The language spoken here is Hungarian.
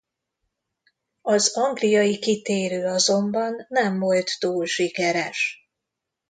Az angliai kitérő azonban nem volt túl sikeres.